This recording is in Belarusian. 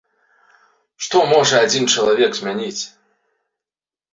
Што можа адзін чалавек змяніць?